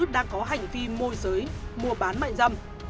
đang có hành vi môi giới mùa bán mạnh dâm